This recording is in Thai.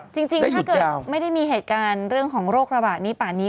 จริงถ้าเกิดไม่ได้มีเหตุการณ์เรื่องของโรคระบาดนี้ป่านนี้